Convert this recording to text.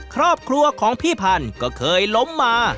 ครอบครัวของพี่พันธุ์ก็เคยล้มมา